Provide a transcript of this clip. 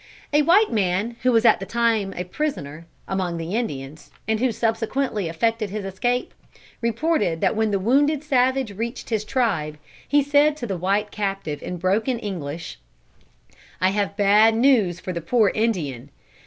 A white man who was at that time a prisoner among the Indians and who subsequently effected his escape, reported that when the wounded savage reached his tribe he said to the white captive in broken English: "I have bad news for the poor Indian.